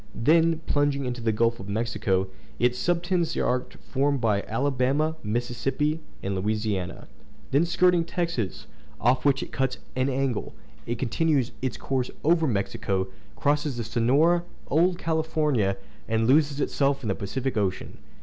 Then, plunging into the Gulf of Mexico, it subtends the arc formed by the coast of Alabama, Mississippi, and Louisiana; then skirting Texas, off which it cuts an angle, it continues its course over Mexico, crosses the Sonora, Old California, and loses itself in the Pacific Ocean.